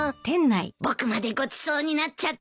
僕までごちそうになっちゃって。